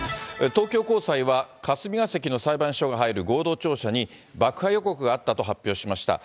東京高裁は霞が関の裁判所が入る合同庁舎に、爆破予告があったと発表しました。